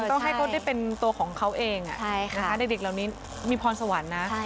ต้องให้เขาได้เป็นตัวของเขาเองเด็กเหล่านี้มีพรสวรรค์นะ